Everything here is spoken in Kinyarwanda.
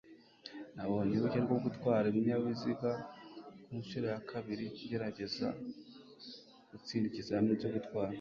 Nabonye uruhushya rwo gutwara ibinyabiziga ku nshuro ya kabiri ngerageza gutsinda ikizamini cyo gutwara